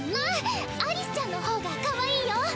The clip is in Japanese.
あっアリスちゃんのほうがかわいいよ！